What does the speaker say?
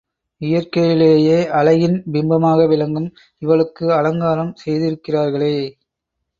இயற்கையிலேயே அழகின் பிம்பமாக விளங்கும் இவளுக்கு அலங்காரம் செய்திருக்கிறார்களே!